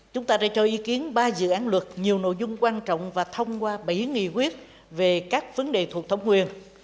chúng ta đã cho ý kiến ba dự án luật nhiều nội dung quan trọng và thông qua bảy nghị quyết về các vấn đề thuộc thống quyền